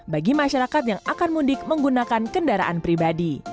bagi masyarakat yang akan mudik menggunakan kendaraan pribadi